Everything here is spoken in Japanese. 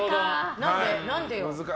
何でよ。